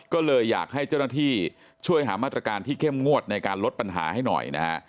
ก็เลยอยากให้เจ้าหน้าที่ช่วยหามาตรการที่เข้มงวดในการลดปัญหาให้หน่อยนะฮะ